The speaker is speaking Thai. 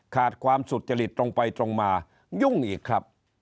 ขาดความสุจริตตรงไปตรงมายุ่งอีกครับ